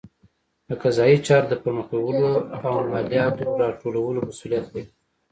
د قضایي چارو د پرمخ بیولو او مالیاتو راټولولو مسوولیت لري.